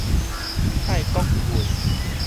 泰國拳